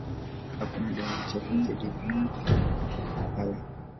Hakuna dawa ya chanjo dhidi ya maradhi hayo.